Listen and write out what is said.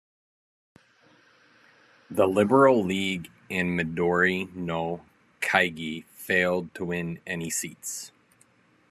The Liberal League and Midori no kaigi failed to win any seats.